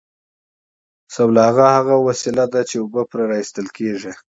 سلواغه هغه وسیله ده چې اوبه پرې را ایستل کیږي